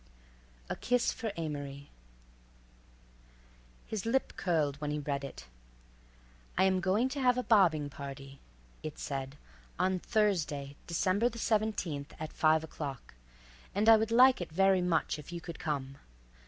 A KISS FOR AMORY His lip curled when he read it. "I am going to have a bobbing party," it said, "on Thursday, December the seventeenth, at five o'clock, and I would like it very much if you could come.